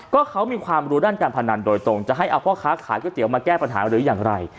ก็เขามีความรู้ด้านการพนันโดยตรงจะให้เอาพ่อค้าขายก๋วเตี๋ยมาแก้ปัญหาหรืออย่างไร